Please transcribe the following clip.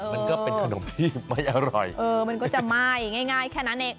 มันก็เป็นขนมที่ไม่อร่อยเออมันก็จะไหม้ง่ายแค่นั้นเอง